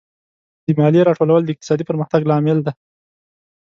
د مالیې راټولول د اقتصادي پرمختګ لامل دی.